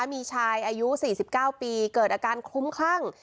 มีชายอายุ๔๙ปีเกิดอาการคลุ้มคลั่ง